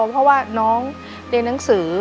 เพราะว่าน้องเรียนหนังสือ